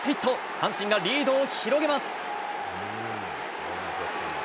阪神がリードを広げます。